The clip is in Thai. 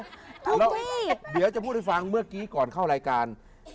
แล้วเดี๋ยวจะพูดให้ฟังเมื่อกี้ก่อนเข้ารายการ